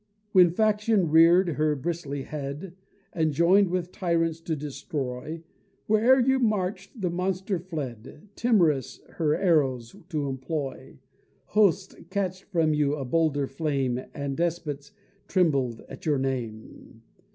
When Faction rear'd her bristly head, And join'd with tyrants to destroy, Where'er you march'd the monster fled, Timorous her arrows to employ: Hosts catch'd from you a bolder flame, And despots trembled at your name.